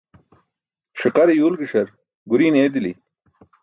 Ṣiqare yuwlgiṣar guriin eedili.